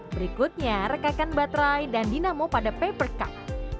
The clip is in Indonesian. berikutnya rekakan baterai dan dinamo pada paper cup